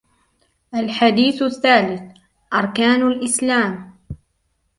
الحديث الثالث: أركان الإسلام